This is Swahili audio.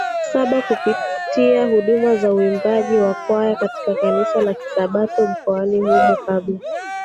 saba kupitia huduma za uimbaji wa kwaya katika Kanisa la Kisabato mkoani humo kabla